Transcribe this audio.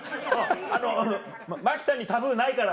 あの真木さんにタブーないから。